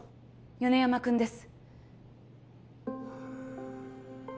米山君です